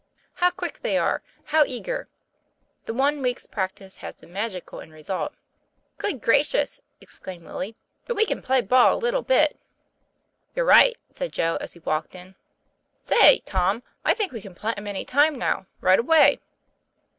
How quick they are! how eager! The one week's practice has been magical in result. "Good gracious!" exclaimed Willie, "but we can play ball a little bit." "You're right," said Joe as he walked in. 'Say, Tom, I think we can play 'em any time, now right away."